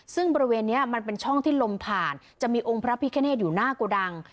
ซึ่งบริเวณนี้มันเป็นช่องที่ลมผ่านจะมีองค์พระพิคเนตอยู่หน้าโกดัง